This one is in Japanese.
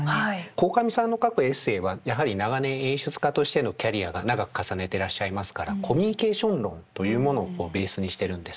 鴻上さんの書くエッセーはやはり長年演出家としてのキャリアが長く重ねてらっしゃいますからコミュニケーション論というものをベースにしてるんですね。